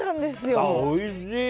おいしい。